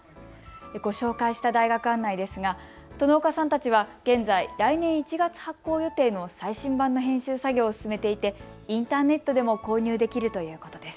ご紹介した大学案内ですが殿岡さんたちは現在、来年１月発行予定の最新版の編集作業を進めていてインターネットでも購入できるということです。